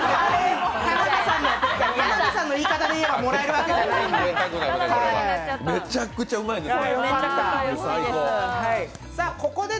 田辺さんの言い方で言えばもらえるわけじゃないんで。